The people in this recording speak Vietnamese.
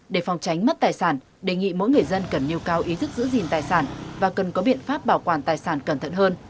để phòng tránh mất tài sản đề nghị mỗi người dân cần nhiều cao ý thức giữ gìn tài sản và cần có biện pháp bảo quản tài sản cẩn thận hơn